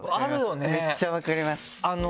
めっちゃ分かります。